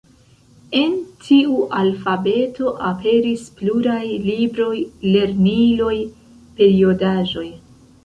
En tiu alfabeto aperis pluraj libroj, lerniloj, periodaĵoj.